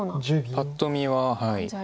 パッと見ははい。